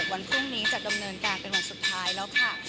วันพรุ่งนี้จะดำเนินการเป็นวันสุดท้ายแล้วค่ะ